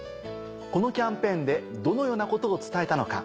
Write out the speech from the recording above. このキャンペーンでどのようなことを伝えたのか。